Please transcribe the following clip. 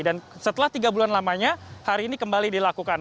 dan setelah tiga bulan lamanya hari ini kembali dilakukan